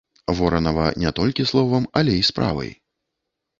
Воранава не толькі словам, але і справай.